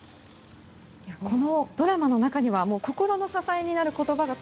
このドラマの中には心の支えになる言葉が